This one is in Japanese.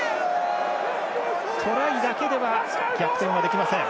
トライだけでは逆転はできません。